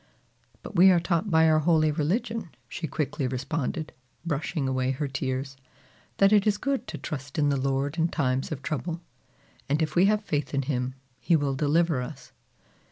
"But we are taught by our holy religion," she quickly responded, brushing away her tears, "that it is good to trust in the Lord in times of trouble, and if we have faith in him, he will deliver us."